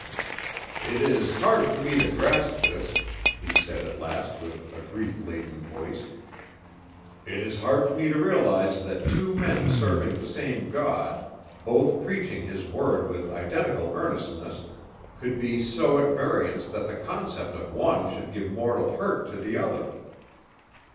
"It is hard for me to grasp this," he said at last with a grief laden voice. "It is hard for me to realize that two men serving the same God; both preaching His Word with identical earnestness could be so at variance that the concept of one should give mortal hurt to the other."